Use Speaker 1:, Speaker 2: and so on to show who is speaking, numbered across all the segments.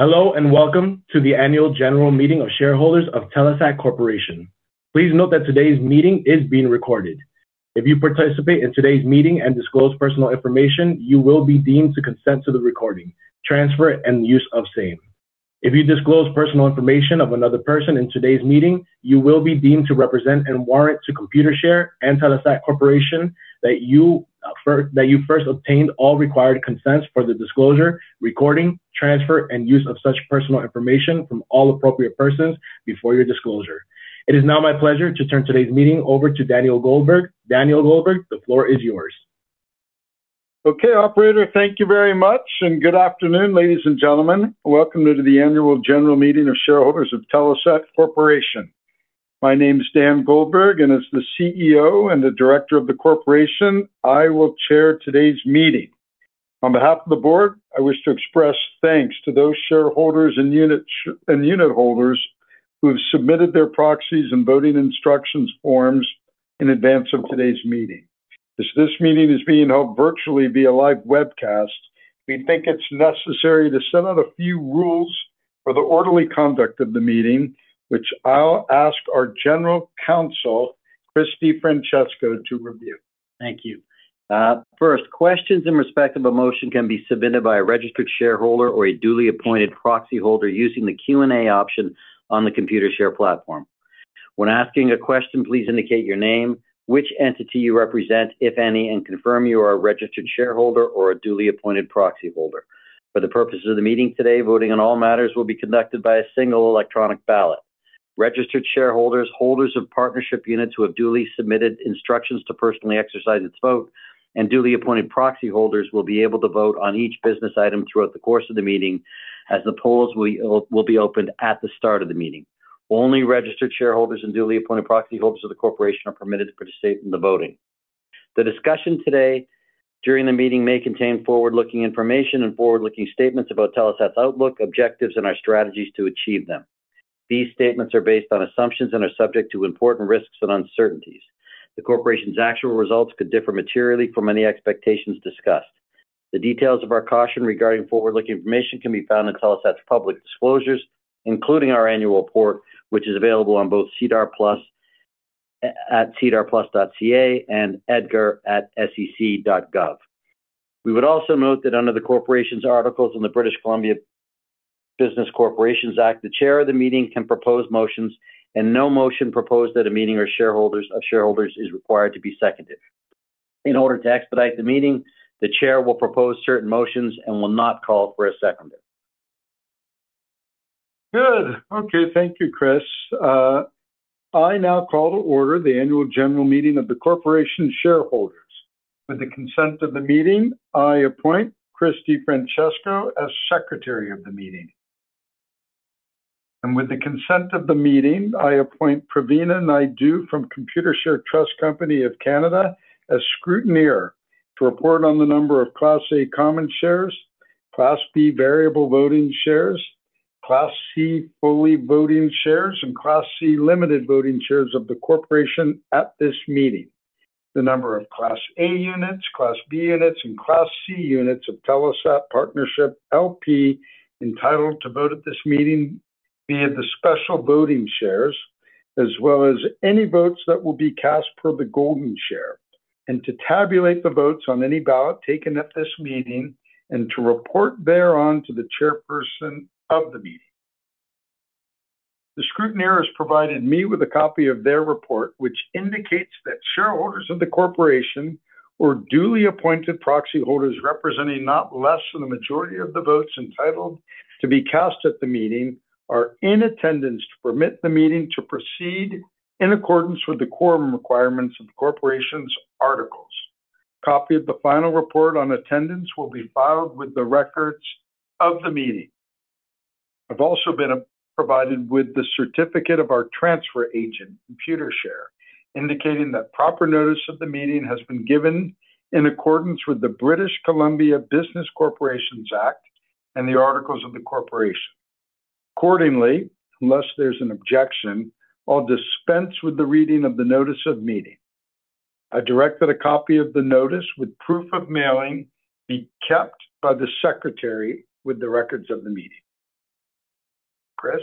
Speaker 1: Hello, and welcome to the annual general meeting of shareholders of Telesat Corporation. Please note that today's meeting is being recorded. If you participate in today's meeting and disclose personal information, you will be deemed to consent to the recording, transfer, and use of same. If you disclose personal information of another person in today's meeting, you will be deemed to represent and warrant to Computershare and Telesat Corporation that you first obtained all required consents for the disclosure, recording, transfer, and use of such personal information from all appropriate persons before your disclosure. It is now my pleasure to turn today's meeting over to Daniel Goldberg. Daniel Goldberg, the floor is yours.
Speaker 2: Okay, operator. Thank you very much, and good afternoon, ladies and gentlemen. Welcome to the annual general meeting of shareholders of Telesat Corporation. My name's Dan Goldberg, and as the CEO and the director of the corporation, I will chair today's meeting. On behalf of the board, I wish to express thanks to those shareholders and unit holders who have submitted their proxies and voting instructions forms in advance of today's meeting. As this meeting is being held virtually via live webcast, we think it's necessary to set out a few rules for the orderly conduct of the meeting, which I'll ask our General Counsel, Chris DiFrancesco, to review.
Speaker 3: Thank you. First, questions in respect of a motion can be submitted by a registered shareholder or a duly appointed proxy holder using the Q and A option on the Computershare platform. When asking a question, please indicate your name, which entity you represent, if any, and confirm you are a registered shareholder or a duly appointed proxy holder. For the purposes of the meeting today, voting on all matters will be conducted by a single electronic ballot. Registered shareholders, holders of partnership units who have duly submitted instructions to personally exercise its vote, and duly appointed proxy holders will be able to vote on each business item throughout the course of the meeting as the polls will be opened at the start of the meeting. Only registered shareholders and duly appointed proxy holders of the corporation are permitted to participate in the voting. The discussion today during the meeting may contain forward-looking information and forward-looking statements about Telesat's outlook, objectives, and our strategies to achieve them. These statements are based on assumptions and are subject to important risks and uncertainties. The corporation's actual results could differ materially from any expectations discussed. The details of our caution regarding forward-looking information can be found in Telesat's public disclosures, including our annual report, which is available on both SEDAR+ at sedarplus.ca and EDGAR at sec.gov. We would also note that under the corporation's articles in the British Columbia Business Corporations Act, the chair of the meeting can propose motions, and no motion proposed at a meeting of shareholders is required to be seconded. In order to expedite the meeting, the chair will propose certain motions and will not call for a seconder.
Speaker 2: Good. Okay. Thank you, Chris. I now call to order the annual general meeting of the corporation shareholders. With the consent of the meeting, I appoint Chris DiFrancesco as secretary of the meeting. With the consent of the meeting, I appoint Praveena Naidu from Computershare Trust Company of Canada as scrutineer to report on the number of Class A common shares, Class B variable voting shares, Class C fully voting shares, and Class C limited voting shares of the corporation at this meeting. The number of Class A units, Class B units, and Class C units of Telesat Partnership LP entitled to vote at this meeting via the Special Voting Shares, as well as any votes that will be cast per the Golden Share, and to tabulate the votes on any ballot taken at this meeting and to report thereon to the chairperson of the meeting. The scrutineer has provided me with a copy of their report, which indicates that shareholders of the corporation or duly appointed proxy holders representing not less than a majority of the votes entitled to be cast at the meeting are in attendance to permit the meeting to proceed in accordance with the quorum requirements of the corporation's articles. Copy of the final report on attendance will be filed with the records of the meeting. I've also been provided with the certificate of our transfer agent, Computershare, indicating that proper notice of the meeting has been given in accordance with the British Columbia Business Corporations Act and the articles of the corporation. Unless there's an objection, I'll dispense with the reading of the notice of meeting. I direct that a copy of the notice with proof of mailing be kept by the secretary with the records of the meeting. Chris?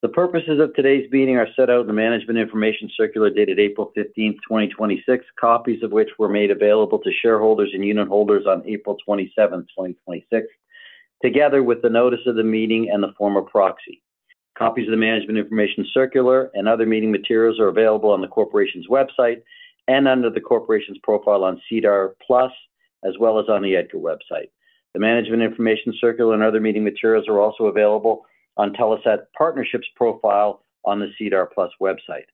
Speaker 3: The purposes of today's meeting are set out in the management information circular dated April 15, 2026, copies of which were made available to shareholders and unit holders on April 27, 2026, together with the notice of the meeting and the form of proxy. Copies of the management information circular and other meeting materials are available on the corporation's website and under the corporation's profile on SEDAR+, as well as on the EDGAR website. The management information circular and other meeting materials are also available on Telesat Partnership's profile on the SEDAR+ website.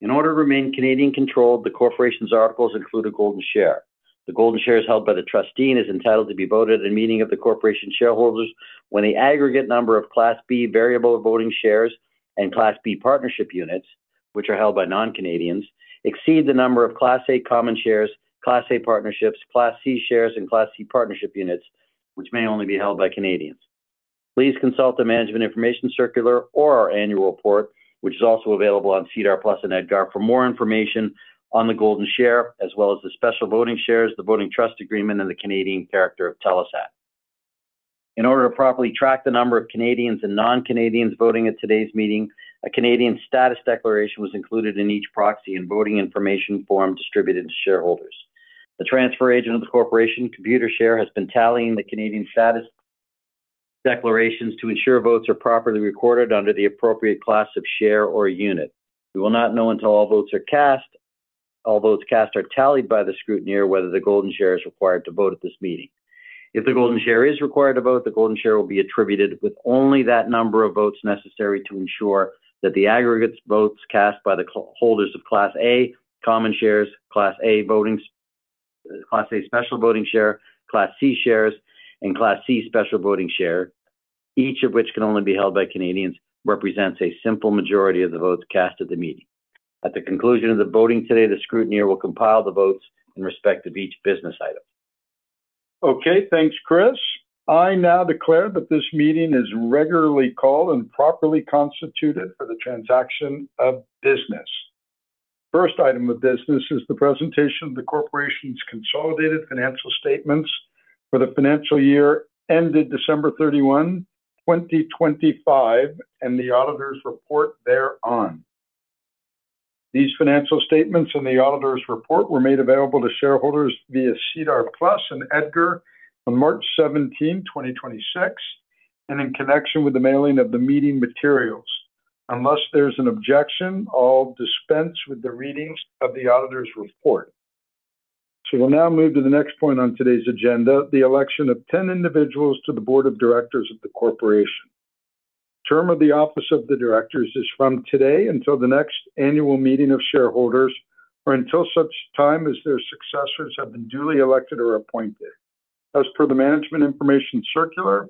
Speaker 3: In order to remain Canadian controlled, the corporation's articles include a Golden Share. The Golden Share is held by the trustee and is entitled to be voted at a meeting of the corporation shareholders when the aggregate number of Class B variable voting shares and Class B partnership units, which are held by non-Canadians, exceed the number of Class A common shares, Class A partnerships, Class C shares, and Class C partnership units, which may only be held by Canadians. Please consult the management information circular or our annual report, which is also available on SEDAR+ and EDGAR for more information on the golden share, as well as the special voting shares, the voting trust agreement, and the Canadian character of Telesat. In order to properly track the number of Canadians and non-Canadians voting at today's meeting, a Canadian status declaration was included in each proxy and voting information form distributed to shareholders. The transfer agent of the corporation, Computershare, has been tallying the Canadian status declarations to ensure votes are properly recorded under the appropriate class of share or unit. We will not know until all votes are cast, all votes cast are tallied by the scrutineer, whether the Golden Share is required to vote at this meeting. If the Golden Share is required to vote, the Golden Share will be attributed with only that number of votes necessary to ensure that the aggregate votes cast by the holders of Class A common shares, Class A Special Voting Share, Class C shares, and Class C Special Voting Share, each of which can only be held by Canadians, represents a simple majority of the votes cast at the meeting. At the conclusion of the voting today, the scrutineer will compile the votes in respect of each business item.
Speaker 2: Okay, thanks, Chris. I now declare that this meeting is regularly called and properly constituted for the transaction of business. First item of business is the presentation of the Corporation's consolidated financial statements for the financial year ended December 31, 2025, and the auditor's report thereon. These financial statements and the auditor's report were made available to shareholders via SEDAR+ and EDGAR on March 17, 2026, and in connection with the mailing of the meeting materials. Unless there's an objection, I'll dispense with the readings of the auditor's report. We'll now move to the next point on today's agenda, the election of 10 individuals to the board of directors of the corporation. Term of the office of the directors is from today until the next annual meeting of shareholders or until such time as their successors have been duly elected or appointed. As per the management information circular,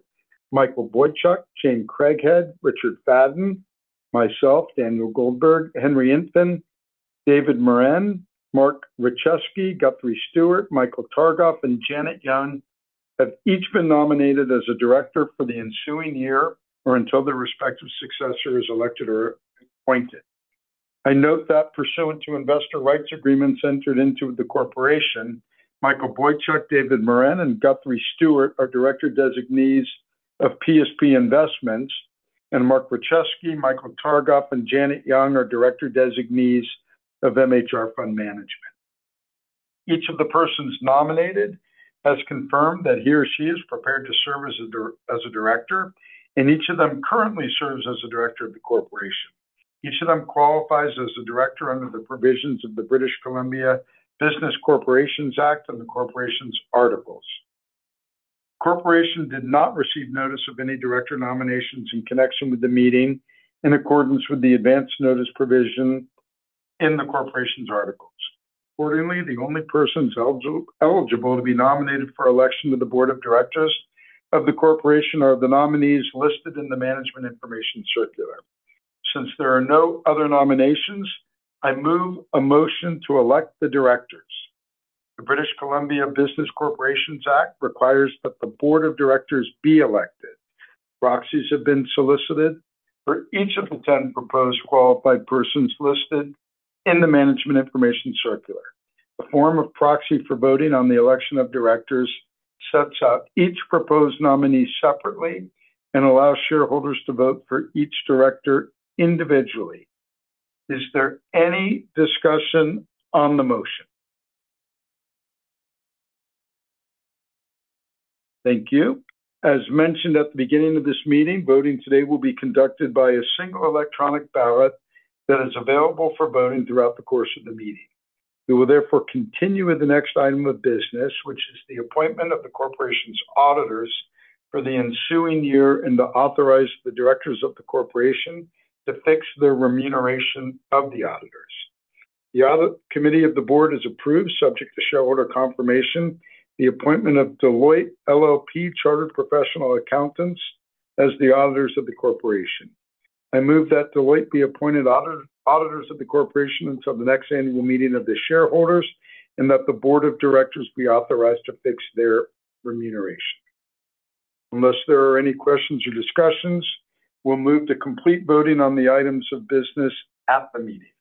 Speaker 2: Michael Boychuk, Jane Craighead, Richard Fadden, myself, Daniel Goldberg, Henry Intven, David Morin, Mark Rachesky, Guthrie Stewart, Michael Targoff, and Janet Yeung have each been nominated as a director for the ensuing year or until their respective successor is elected or appointed. I note that pursuant to Investor Rights Agreements entered into the corporation, Michael Boychuk, David Morin, and Guthrie Stewart are director designees of PSP Investments, and Mark Rachesky, Michael Targoff, and Janet Yeung are director designees of MHR Fund Management. Each of the persons nominated has confirmed that he or she is prepared to serve as a director, and each of them currently serves as a director of the corporation. Each of them qualifies as a director under the provisions of the British Columbia Business Corporations Act and the corporation's articles. Corporation did not receive notice of any director nominations in connection with the meeting in accordance with the advance notice provision in the corporation's articles. Accordingly, the only persons eligible to be nominated for election to the board of directors of the corporation are the nominees listed in the management information circular. Since there are no other nominations, I move a motion to elect the directors. The British Columbia Business Corporations Act requires that the board of directors be elected. Proxies have been solicited for each of the 10 proposed qualified persons listed in the management information circular. The form of proxy for voting on the election of directors sets out each proposed nominee separately and allows shareholders to vote for each director individually. Is there any discussion on the motion? Thank you. As mentioned at the beginning of this meeting, voting today will be conducted by a single electronic ballot that is available for voting throughout the course of the meeting. We will therefore continue with the next item of business, which is the appointment of the corporation's auditors for the ensuing year and to authorize the directors of the corporation to fix the remuneration of the auditors. The audit committee of the board has approved, subject to shareholder confirmation, the appointment of Deloitte LLP Chartered Professional Accountants as the auditors of the corporation. I move that Deloitte be appointed auditors of the corporation until the next annual meeting of the shareholders, and that the board of directors be authorized to fix their remuneration. Unless there are any questions or discussions, we'll move to complete voting on the items of business at the meeting.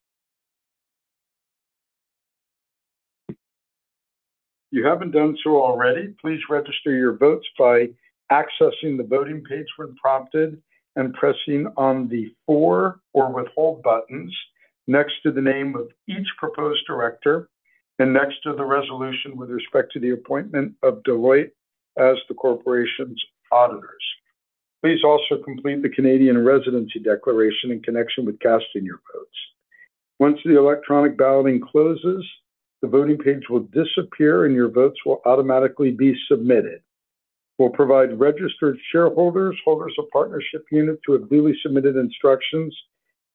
Speaker 2: If you haven't done so already, please register your votes by accessing the voting page when prompted and pressing on the "For" or "Withhold" buttons next to the name of each proposed director and next to the resolution with respect to the appointment of Deloitte as the corporation's auditors. Please also complete the Canadian Residency Declaration in connection with casting your votes. Once the electronic balloting closes, the voting page will disappear, and your votes will automatically be submitted. We'll provide registered shareholders, holders of Partnership Unit who have duly submitted instructions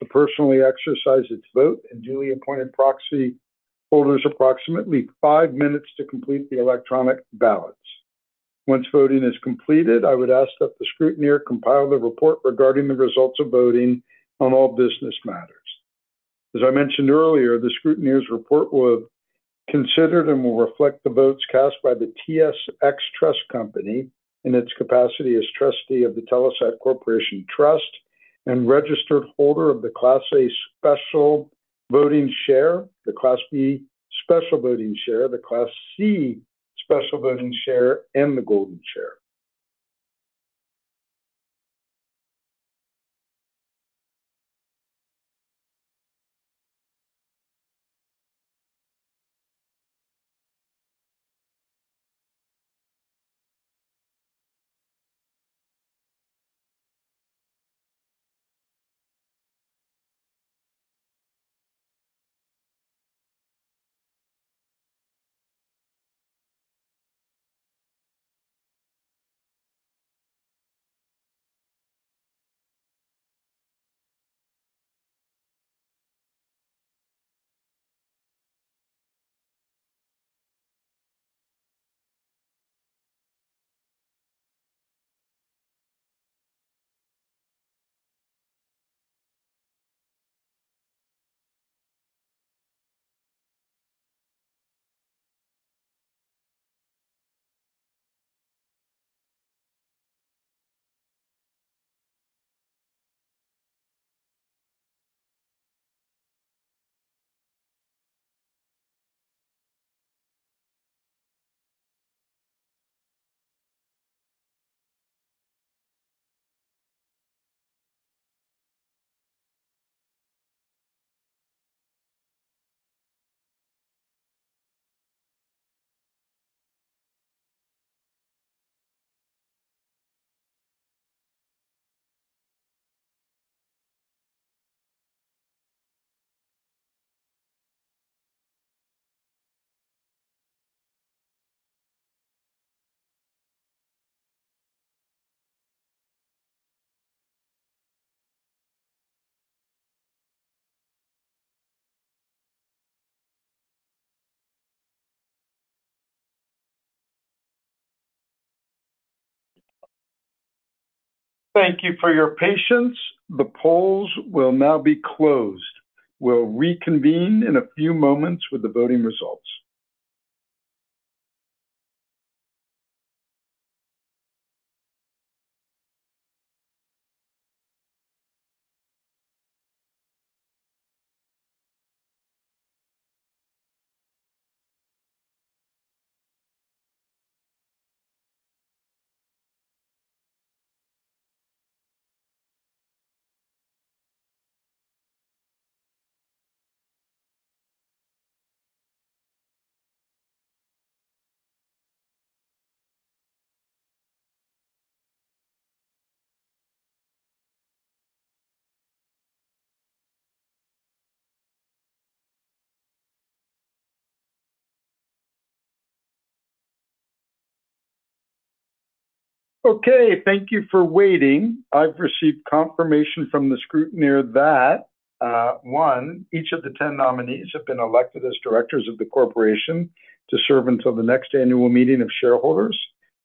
Speaker 2: to personally exercise its vote, and duly appointed proxy holders approximately five minutes to complete the electronic ballots. Once voting is completed, I would ask that the scrutineer compile the report regarding the results of voting on all business matters. As I mentioned earlier, the scrutineer's report will be considered and will reflect the votes cast by the TSX Trust Company in its capacity as trustee of the Telesat Corporation Trust and registered holder of the Class A Special Voting Share, the Class B Special Voting Share, the Class C Special Voting Share, and the Golden Share. Thank you for your patience. The polls will now be closed. We'll reconvene in a few moments with the voting results. Okay, thank you for waiting. I've received confirmation from the scrutineer that, one, each of the 10 nominees have been elected as directors of the corporation to serve until the next annual meeting of shareholders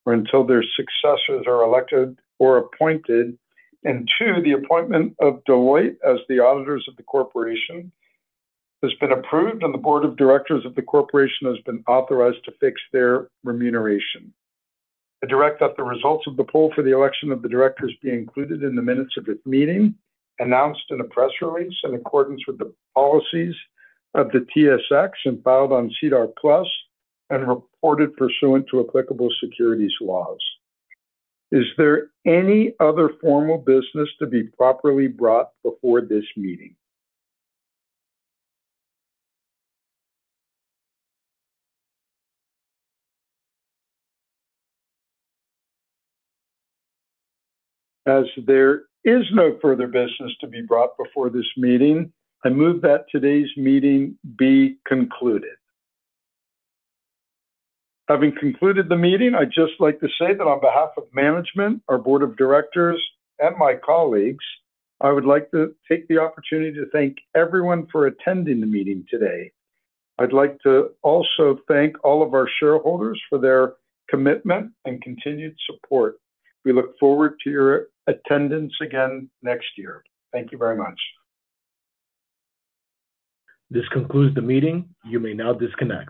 Speaker 2: or until their successors are elected or appointed. Two, the appointment of Deloitte as the auditors of the corporation has been approved, and the board of directors of the corporation has been authorized to fix their remuneration. I direct that the results of the poll for the election of the directors be included in the minutes of this meeting, announced in a press release in accordance with the policies of the TSX and filed on SEDAR+ and reported pursuant to applicable securities laws. Is there any other formal business to be properly brought before this meeting? As there is no further business to be brought before this meeting, I move that today's meeting be concluded. Having concluded the meeting, I'd just like to say that on behalf of management, our board of directors, and my colleagues, I would like to take the opportunity to thank everyone for attending the meeting today. I'd like to also thank all of our shareholders for their commitment and continued support. We look forward to your attendance again next year. Thank you very much.
Speaker 1: This concludes the meeting. You may now disconnect.